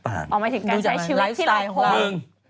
อ๋อหมายถึงการใช้ชีวิตที่หลักเหรอดูจากการไลฟ์สไตล์ของเรา